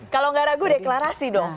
kalau nggak ragu deklarasi dong